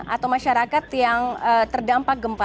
atau masyarakat yang terdampak gempa